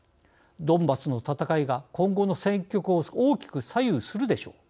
ドンバスの戦いが今後の戦局を大きく左右するでしょう。